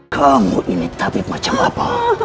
kamu ini tapi macam apa